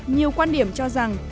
nhiều quan điểm cho rằng